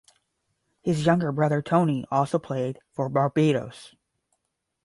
His younger brother Tony also played for Barbados.